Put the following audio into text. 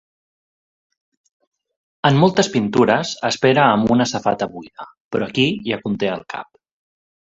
En moltes pintures, espera amb una safata buida, però aquí ja conté el cap.